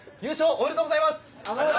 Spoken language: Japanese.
ありがとうございます！